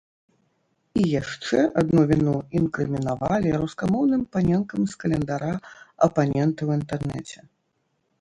І яшчэ адну віну інкрымінавалі рускамоўным паненкам з календара апаненты ў інтэрнэце.